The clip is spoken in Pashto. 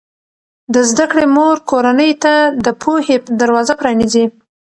د زده کړې مور کورنۍ ته د پوهې دروازه پرانیزي.